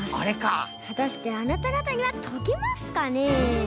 はたしてあなたがたにはとけますかね？